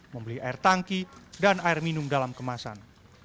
membeli air tangki dan air minum dalam kemasan